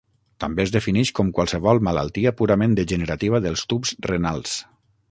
També es defineix com qualsevol malaltia purament degenerativa dels tubs renals.